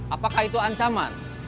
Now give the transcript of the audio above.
apakah itu ancaman